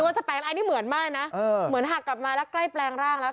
จะแปลงอันนี้เหมือนมากเลยนะเหมือนหักกลับมาแล้วใกล้แปลงร่างแล้ว